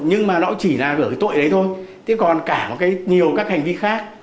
nhưng mà nó chỉ là vừa cái tội đấy thôi thì còn cả nhiều các hành vi khác